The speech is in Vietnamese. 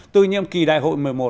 từ nhiệm kỳ đại hội một mươi một